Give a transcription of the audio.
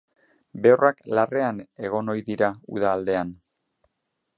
Behorrak larrean egon ohi dira uda aldean.